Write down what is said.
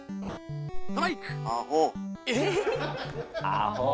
アホ。